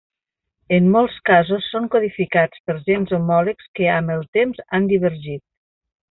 En molts casos, són codificats per gens homòlegs que amb el temps han divergit.